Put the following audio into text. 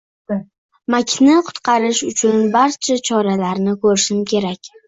Makni qutqarish uchun barcha choralarni ko`rishim kerak